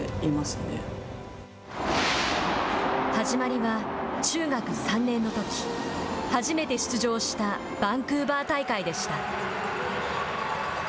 始まりは、中学３年のとき初めて出場したバンクーバー大会でした。